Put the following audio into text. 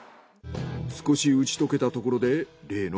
少し打ち解けたところで。